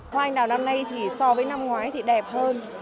hoa anh đào năm nay thì so với năm ngoái thì đẹp hơn